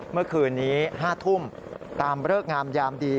เมื่อคืนนี้๕ทุ่มตามเลิกงามยามดี